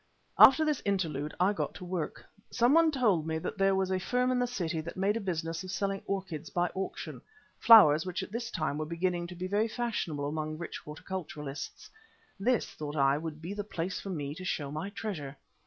After this interlude I got to work. Someone told me that there was a firm in the City that made a business of selling orchids by auction, flowers which at this time were beginning to be very fashionable among rich horticulturists. This, thought I, would be the place for me to show my treasure.